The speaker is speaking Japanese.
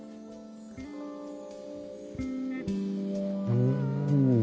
うん。